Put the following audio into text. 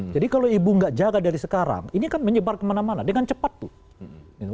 jadi kalau ibu nggak jaga dari sekarang ini kan menyebar kemana mana dengan cepat tuh